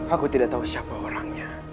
aku tidak tahu siapa orangnya